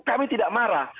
kami tidak marah